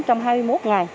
trong hai mươi một ngày